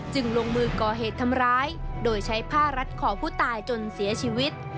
ลงมือก่อเหตุทำร้ายโดยใช้ผ้ารัดคอผู้ตายจนเสียชีวิต